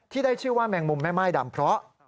ได้ชื่อว่าแมงมุมแม่ม่ายดำเพราะ